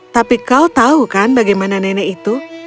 tapi kau tahu kan bagaimana nenek itu